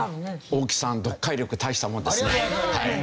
大木さん読解力大したもんですね。